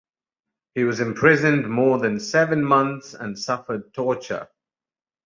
He was imprisoned more than seven months, and suffered torture.